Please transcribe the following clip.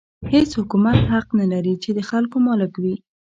هېڅ حکومت حق نه لري چې د خلکو مالک وي.